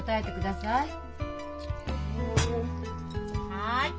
はい。